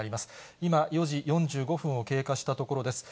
今、４時４５分を経過したところです。